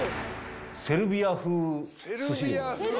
セルビア風寿司です。